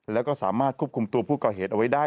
แล้วก็สามารถควบคุมตัวผู้ก่อเหตุเอาไว้ได้